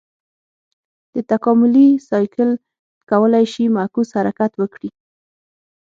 دا تکاملي سایکل کولای شي معکوس حرکت وکړي.